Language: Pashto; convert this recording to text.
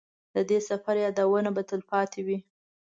د دې سفر یادونه به تلپاتې وي.